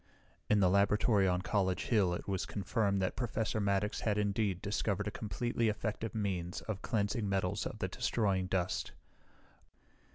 In the laboratory on College Hill it was confirmed that Professor Maddox had indeed discovered a completely effective means of cleansing metals of the destroying dust.